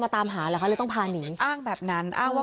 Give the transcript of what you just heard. คำให้การในกอล์ฟนี่คือคำให้การในกอล์ฟนี่คือ